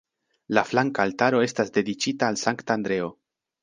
La flanka altaro estas dediĉita al Sankta Andreo.